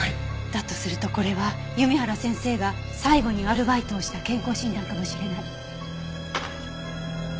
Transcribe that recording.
だとするとこれは弓原先生が最後にアルバイトをした健康診断かもしれない。